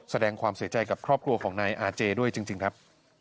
แสดงความเสียใจกับครอบครัวของนายอาเจด้วยจริงครับ